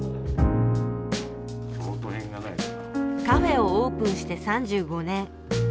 カフェをオープンして３５年。